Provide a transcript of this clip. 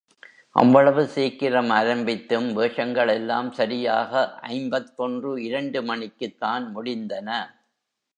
அவ்வளவு சீக்கிரம் ஆரம்பித்தும் வேஷங்களெல்லாம் சரியாக ஐம்பத்தொன்று இரண்டு மணிக்குத் தான் முடிந்தன.